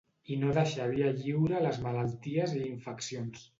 I no deixar via lliure a les malalties i infeccions.